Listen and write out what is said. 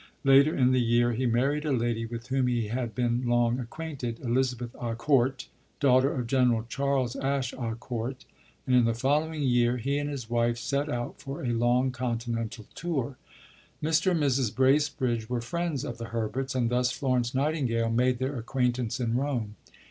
Later in the year he married a lady with whom he had been long acquainted, Elizabeth à Court, daughter of General Charles Ashe à Court; and in the following year he and his wife set out for a long Continental tour. Mr. and Mrs. Bracebridge were friends of the Herberts, and thus Florence Nightingale made their acquaintance in Rome.